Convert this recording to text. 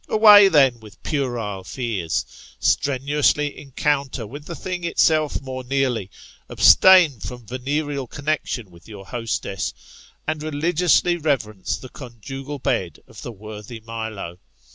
Away then with puerile fears ; strenuously encounter with the thing itself more nearly ; abstain from venereal connexion with your hostess, and religiously reverence the conjugal bed of the worthy Milo.